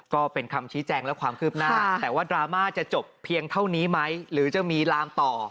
ก็เป็นคำชี้แจงและความคืบหน้า